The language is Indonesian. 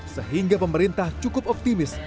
sehingga pemerintah cukup optimis